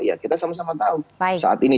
ya kita sama sama tahu saat ini